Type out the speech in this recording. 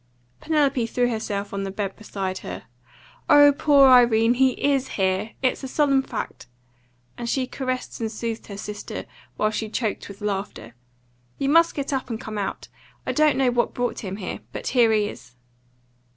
Penelope threw herself on the bed beside her. "Oh, poor Irene! He IS here. It's a solemn fact." And she caressed and soothed her sister, while she choked with laughter. "You must get up and come out. I don't know what brought him here, but here he is."